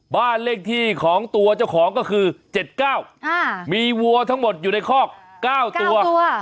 บ้านเลขที่ของตัวเจ้าของก็คือ๗๙มีวัวทั้งหมดอยู่ในคอก๙ตัว